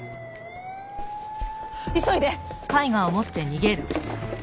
急いで！